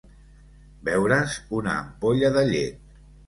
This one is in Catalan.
Beure's una ampolla de llet.